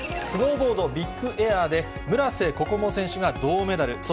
スノーボードビッグエアで村瀬心椛選手が銅メダル。